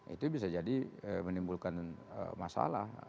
itu bisa jadi menimbulkan masalah